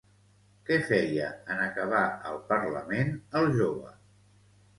Què feia en acabar el parlament, el jove?